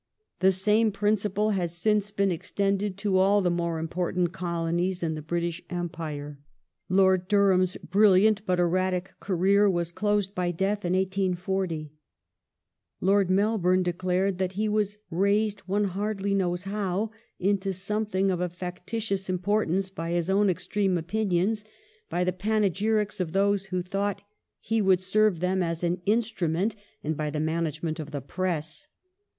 The same principle has since been extended to all the more impor tant Colonies in the British Empire. Lord Durham's brilliant but erratic career was closed by death in 1840. Lord Melbourne de clared that he " was raised, one hardly knows how, into something of a factitious importance by his own extreme opinions, by the panegyrics of those who thought he would serve them as an instru iQ.F.L. i. 163. 1841] CHARTISM 135 ment, and by the management of the Press